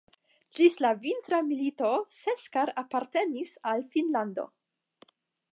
Ĝis la Vintra milito Seskar apartenis al Finnlando.